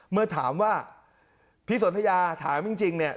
เมื่อถามว่าพี่สนทยาถามจริงเนี่ย